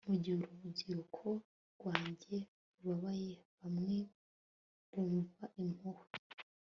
Mugire urubyiruko rwanjye rubabaye bamwe bumva impuhwe